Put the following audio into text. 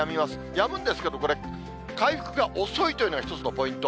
やむんですけれども、これ、回復が遅いというのが一つのポイント。